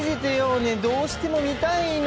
ねえどうしても見たいの。